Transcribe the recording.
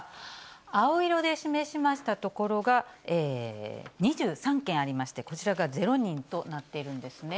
青色で示しました所が２３県ありまして、こちらが０人となっているんですね。